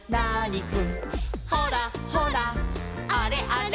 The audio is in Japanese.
「ほらほらあれあれ」